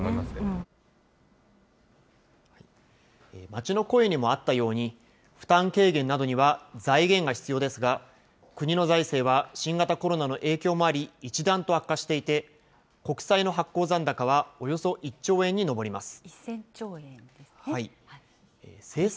街の声にもあったように、負担軽減などには財源が必要ですが、国の財政は新型コロナの影響もあり、一段と悪化していて、国債の発行残高はおよそ１兆円に上ります。